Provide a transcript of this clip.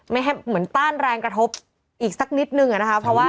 ไม่ให้เหมือนต้านแรงกระทบอีกสักนิดนึงอะนะคะเพราะว่า